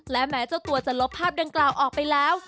และแม้เจ้าตัวจะลบภาพดังกล่าวออกไปแล้ว